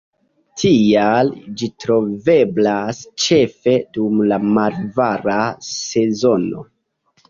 Tial ĝi troveblas ĉefe dum la malvarma sezono.